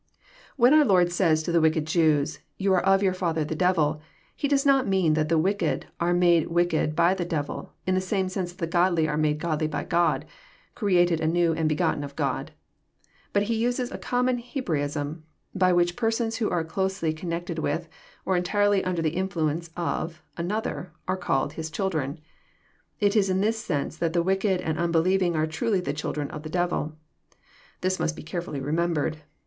'* When our Lord says to the wicked Jews, " Ye are of your father the devil," He does not mean that the wicked are made wicked by the devil in the same sense that the godly are made godly by God, created anew and begotten of God ; but He uses a common Hebraism, by which persons who are closely con nected with, or entirely under the influence of, another, are called " his children." It is in this sense that the wicked and unbelieving are truly the children of the devil. This must be carefully remembered.